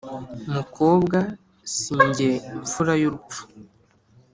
mukobwa sijye mfura y’urupfu .